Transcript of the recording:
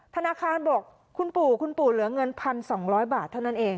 ธนาคารบอกคุณปู่คุณปู่เหลือเงิน๑๒๐๐บาทเท่านั้นเอง